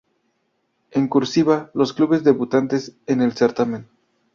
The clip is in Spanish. En "cursiva" los clubes debutantes en el certamen.